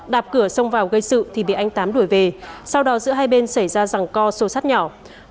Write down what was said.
đạp cửa xông vào gây sự thì bị anh tám đuổi về sau đó giữa hai bên xảy ra rẳng co sắt nhỏ